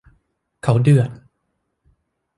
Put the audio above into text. เขาเดือด